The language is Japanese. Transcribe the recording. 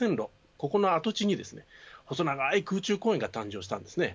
ここの跡地にですね、細長い空中公園が誕生したんですね。